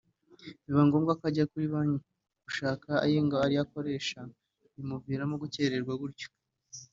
biba ngombwa ko ajya kuri banki gushaka aye ngo abe ariyo akoresha; bimuviramo gukererwa gutyo